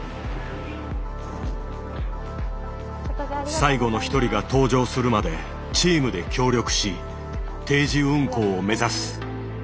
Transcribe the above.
最後の１人が搭乗するまでチームで協力し定時運航を目指す。